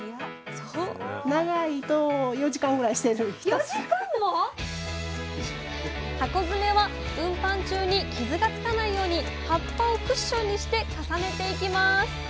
４時間も⁉箱詰めは運搬中に傷がつかないように葉っぱをクッションにして重ねていきます。